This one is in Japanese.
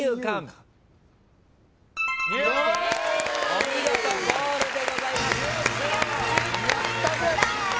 お見事ゴールでございます！